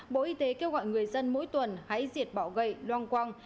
bộ y tế kêu gọi người dân mỗi tuần hãy diệt bỏ gậy loang quang